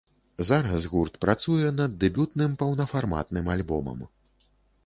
Зараз гурт працуе над дэбютным паўнафарматным альбомам.